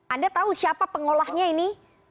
anda tahu siapa pengolahnya ini